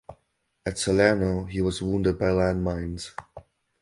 At Salerno he was wounded by landmines.